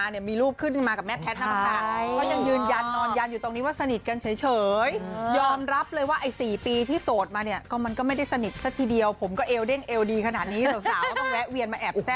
ถ้าปอบอกว่า๔ปีที่โสดมาไม่มีใครคุยเนี่ย